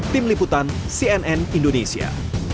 tim liputan cnn indonesia